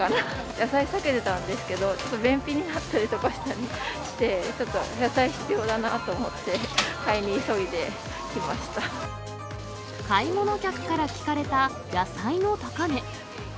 野菜避けてたんですけど、ちょっと便秘になったりとかして、ちょっと、野菜必要だなと思って、買い物客から聞かれた野菜の高値。